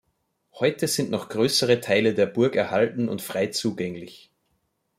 Heute sind noch größere Teile der Burg erhalten und frei zugänglich.